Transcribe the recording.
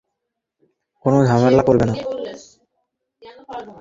এবং কোনো ঝমেলা করবে না।